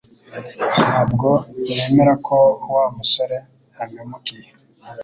Ntabwo nemera ko Wa musore yampemukiye